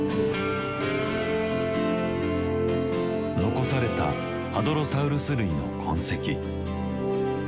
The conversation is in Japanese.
残されたハドロサウルス類の痕跡。